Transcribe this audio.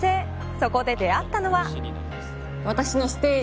そこで出会ったのは。